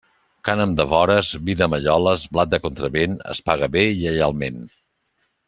Cànem de vores, vi de malloles, blat de contravent es paga bé i lleialment.